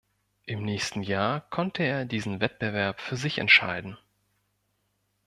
Im nächsten Jahr konnte er diesen Wettbewerb für sich entscheiden.